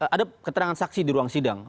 ada keterangan saksi di ruang sidang